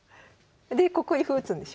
でここに歩打つんでしょ？